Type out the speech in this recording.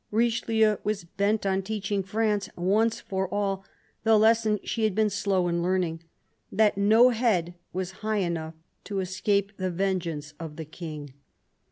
Richeheu was bent on teaching France, once for all, the lesson she had been slow in learning, that no head was high enough to escape the vengeance of the King.